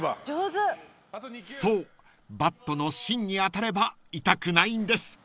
［そうバットの芯に当たれば痛くないんです］